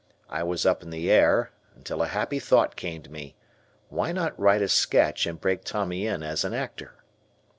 I was up in the air until a happy thought came to me. Why not write a sketch and break Tommy in as an actor?